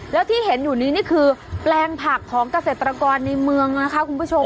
แล้วที่เห็นอยู่นี้นี่คือแปลงผักของเกษตรกรในเมืองนะคะคุณผู้ชม